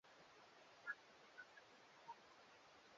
Baadhi ya waasi hao walirudi Jamuhuri ya Kidemokrasia ya Kongo kwa hiari